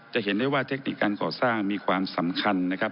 จะเห็นได้ว่าเทคนิคการก่อสร้างมีความสำคัญนะครับ